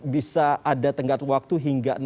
bisa ada tenggat waktu hingga